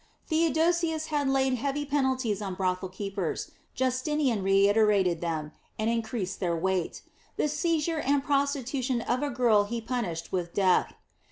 Theodosius had laid heavy penalties on brothel keepers; Justinian reiterated them, and increased their weight. The seizure and prostitution of a girl he punished with death.